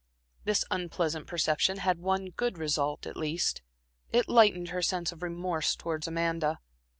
This unpleasant perception had one good result, at least; it lightened her sense of remorse towards Amanda.